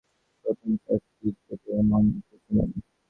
প্রথম চারটি টেপে তেমন কিছু নেই।